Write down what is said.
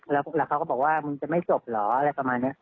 แล้วเขาก็บอกว่ามึงจะไม่จบเหรออะไรประมาณนี้